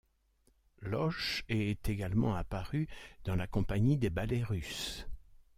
Losch est également apparue dans la Compagnie des Ballets russes.